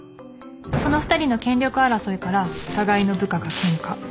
その２人の権力争いから互いの部下がケンカ。